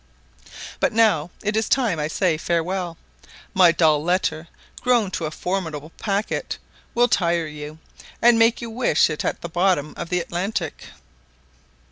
But now it is time I say farewell: my dull letter, grown to a formidable packet, will tire you, and make you wish it at the bottom of the Atlantic.